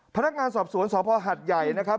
พนักงานสอบสวนสพหัดใหญ่นะครับ